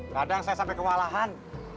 kadang saya sampe kewalahan